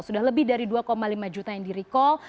sudah lebih dari dua lima juta yang di recall